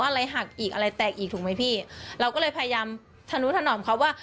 อะไรหักอีกอะไรแตกอีกถูกไหมพี่เราก็เลยพยายามทะนุถนอมเขาว่า